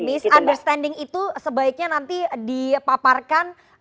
misunderstanding itu sebaiknya nanti dipaparkan